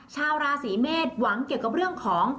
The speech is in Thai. ชาวราศีเมษหวังเกี่ยวกับเรื่องของ